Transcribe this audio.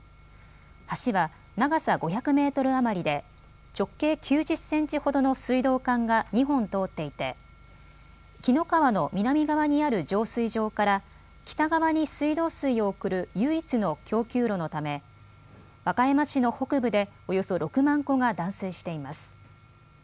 橋は長さ５００メートル余りで直径９０センチほどの水道管が２本通っていて紀の川の南側にある浄水場から北側に水道水を送る唯一の供給路のため和歌山市の北部でおよそ６万戸が断水しています。